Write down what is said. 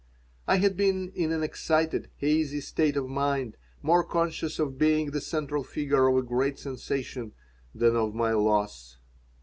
I had been in an excited, hazy state of mind, more conscious of being the central figure of a great sensation than of my loss.